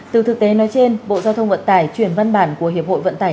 từ thực tế nói trên bộ giao thông vận tải chuyển văn bản của hiệp hội vận tải